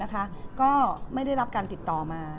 ก็ไม่ได้รับการติดต่อมา